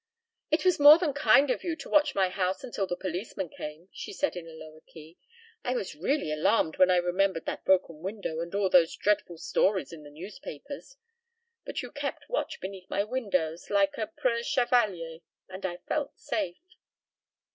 "It was more than kind of you to watch my house until the policeman came," she said on a lower key. "I was really alarmed when I remembered that broken window and all those dreadful stories in the newspapers. But you kept watch beneath my windows like a preux chevalier and I felt safe."